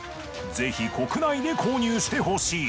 ぜひ国内で購入してほしい。